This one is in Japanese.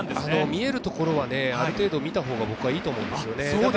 見えるところはある程度見た方が僕はいいと思うんですよね。